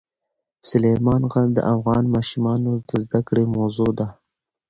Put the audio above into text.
سلیمان غر د افغان ماشومانو د زده کړې موضوع ده.